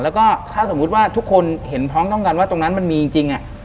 แล้วก็ถ้าสมมุติว่าทุกคนเห็นพร้อมต้องกันว่าตรงนั้นมันมีจริง